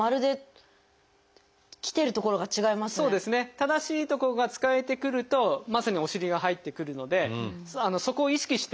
正しい所が使えてくるとまさにお尻が入ってくるのでそこを意識して。